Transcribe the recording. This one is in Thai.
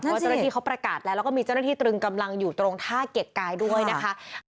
เพราะเจ้าหน้าที่เขาประกาศแล้วแล้วก็มีเจ้าหน้าที่ตรึงกำลังอยู่ตรงท่าเกรดกายด้วยนะคะ